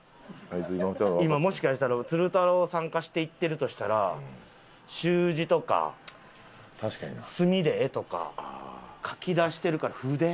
今もしかしたら鶴太郎さん化していってるとしたら習字とか墨で絵とか描きだしてるから筆。